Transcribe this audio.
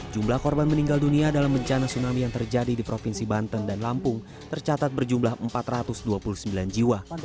jumlah korban meninggal dunia dalam bencana tsunami yang terjadi di provinsi banten dan lampung tercatat berjumlah empat ratus dua puluh sembilan jiwa